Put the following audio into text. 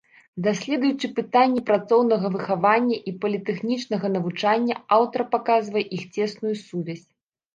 Даследуючы пытанні працоўнага выхавання і політэхнічнага навучання, аўтар паказвае іх цесную сувязь.